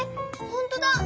ほんとだ！